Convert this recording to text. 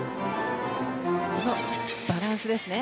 バランスですね。